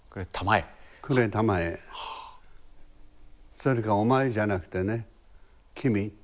それからお前じゃなくてね君。